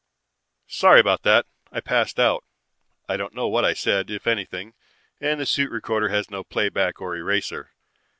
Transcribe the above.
"Sorry about that. I passed out. I don't know what I said, if anything, and the suit recorder has no playback or eraser.